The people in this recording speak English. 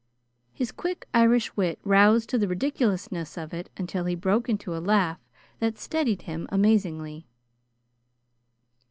His quick Irish wit roused to the ridiculousness of it until he broke into a laugh that steadied him amazingly.